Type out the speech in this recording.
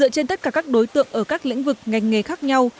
trên tất cả các đối tượng ở các lĩnh vực ngành nghề khác nhau